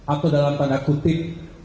atau dalam tanda kutip